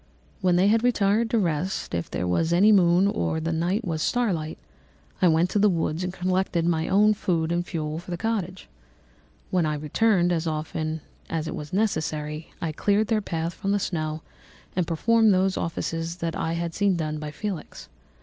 When they had retired to rest, if there was any moon or the night was star light, I went into the woods and collected my own food and fuel for the cottage. When I returned, as often as it was necessary, I cleared their path from the snow and performed those offices that I had seen done by Felix.